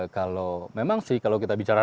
kalau memang sih kalau kita bicara